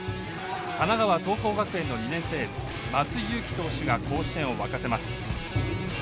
神奈川桐光学園の２年生エース松井裕樹投手が甲子園を沸かせます。